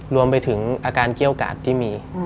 รวมไปถึงอาการเกี้ยวกาดที่มี